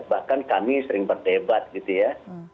bahkan kami sering berdebat gitu ya